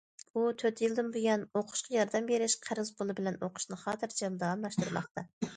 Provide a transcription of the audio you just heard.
ئۇ تۆت يىلدىن بۇيان‹‹ ئوقۇشقا ياردەم بېرىش قەرز پۇلى›› بىلەن ئوقۇشىنى خاتىرجەم داۋاملاشتۇرماقتا.